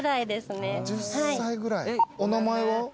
お名前は？